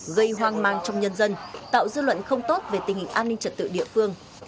gây hoang mang trong nhân dân tạo dư luận không tốt về tình hình an ninh trật tự địa phương